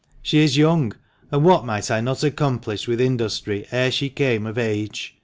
She is young, and what might I not accomplish with industry ere she came of age ?